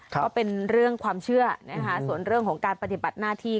ก็เป็นเรื่องความเชื่อนะคะส่วนเรื่องของการปฏิบัติหน้าที่